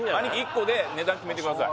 １個で値段決めてください